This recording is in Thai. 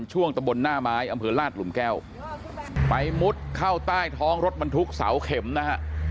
ช่วงตะบนหน้าไม้อำเภอลาดหลุมแก้วไปมุดเข้าใต้ท้องรถบรรทุกเสาเข็มนะฮะ